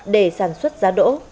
để sản xuất giá đỗ